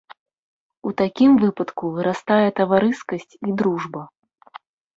У такім выпадку вырастае таварыскасць і дружба.